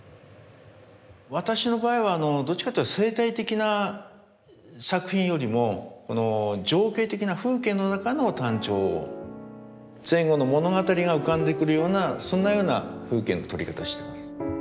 私の場合はどっちかっていえば生態的な作品よりもこの情景的な風景の中のタンチョウを前後の物語が浮かんでくるようなそんなような風景の撮り方をしてます。